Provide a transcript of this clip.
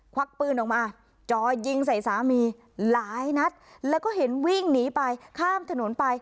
วักปืนออกมาจ่อยิงใส่สามีหลายนัดแล้วก็เห็นวิ่งหนีไปข้ามถนนไป